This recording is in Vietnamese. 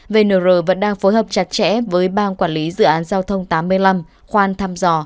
vnr vẫn đang phối hợp chặt chẽ với bang quản lý dự án giao thông tám mươi năm khoan thăm dò